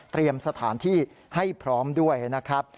สถานที่ให้พร้อมด้วยนะครับ